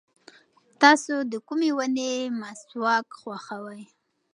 تاسو د کومې ونې مسواک خوښوئ؟